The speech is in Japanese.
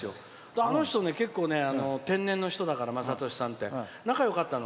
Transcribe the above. あの人、天然の人だから雅俊さんって仲よかったの。